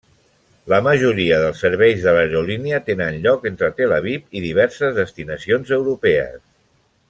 La majoria de serveis de l'aerolínia tenen lloc entre Tel Aviv i diverses destinacions europees.